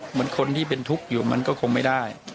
เหมือนคนที่เป็นทุกข์อยู่มันก็คงไม่ได้